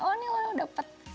oh ini lho dapet